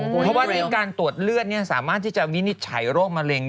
เพราะว่าเรื่องการตรวจเลือดสามารถที่จะวินิจฉัยโรคมะเร็ง